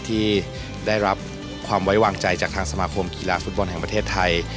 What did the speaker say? ที่ได้รับความไว้วางใจจากทางสมาคมกีฬาฟุตบอลแห่งประเทศไทย